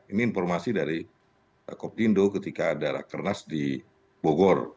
ini informasi dari gakob tindo ketika ada kernas di bogor